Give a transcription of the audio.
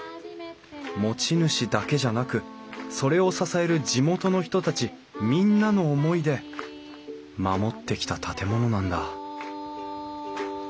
持ち主だけじゃなくそれを支える地元の人たちみんなの思いで守ってきた建物なんだ